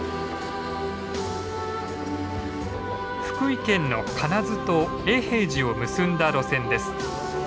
福井県の金津と永平寺を結んだ路線です。